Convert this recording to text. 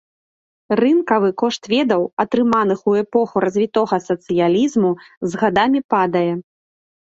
Рынкавы кошт ведаў, атрыманых у эпоху развітога сацыялізму, з гадамі падае.